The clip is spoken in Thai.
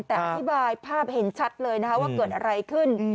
แต่อธิบายภาพเห็นชัดเลยนะคะว่าเกิดอะไรขึ้น